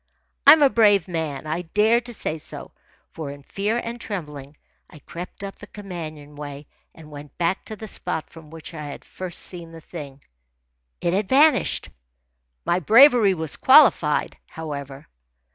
I am a brave man. I dare to say so; for in fear and trembling I crept up the companion way and went back to the spot from which I had first seen the thing. It had vanished. My bravery was qualified, however.